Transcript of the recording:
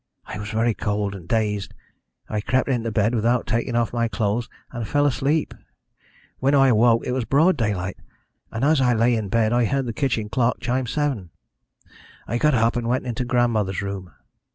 I was very cold, and dazed. I crept into bed without taking off my clothes, and fell asleep. When I awoke it was broad daylight, and as I lay in bed I heard the kitchen clock chime seven. "I got up, and went into grandmother's room.